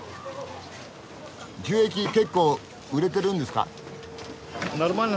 樹液結構売れてるんですか？